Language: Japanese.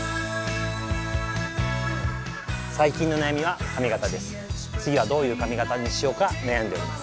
最近の悩みは髪形です。